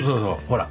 ほら。